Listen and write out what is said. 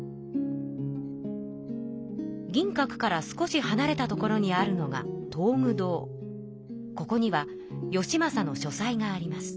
銀閣から少しはなれた所にあるのがここには義政の書さいがあります。